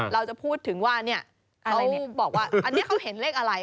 เราจะพูดถึงว่าเนี่ยเขาบอกว่าอันนี้เขาเห็นเลขอะไร